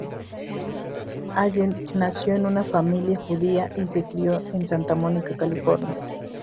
Allen nació en una familia judía y se crió en Santa Mónica, California.